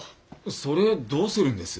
それどうするんです？